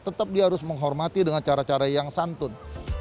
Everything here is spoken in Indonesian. tetap dia harus menghormati dengan cara cara yang santun